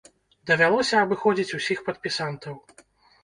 Давялося абыходзіць усіх падпісантаў.